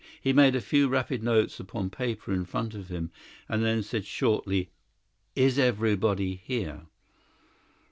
He made a few rapid notes upon paper in front of him, and then said shortly: "Is everybody here?"